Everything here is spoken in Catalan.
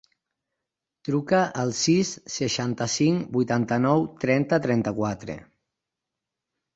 Truca al sis, seixanta-cinc, vuitanta-nou, trenta, trenta-quatre.